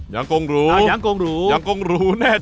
ยังโกงรูยังโกงรูแน่ใจเหรอ